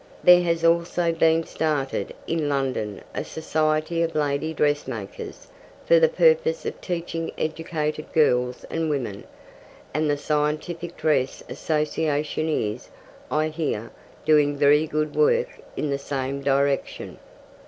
There has also been started in London a Society of Lady Dressmakers for the purpose of teaching educated girls and women, and the Scientific Dress Association is, I hear, doing very good work in the same direction.